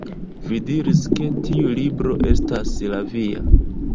Vi diris ke tiu libro estas la via